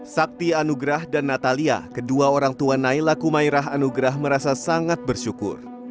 sakti anugrah dan natalia kedua orang tua naila kumairah anugrah merasa sangat bersyukur